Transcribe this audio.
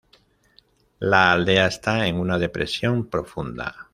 La aldea está en una depresión profunda.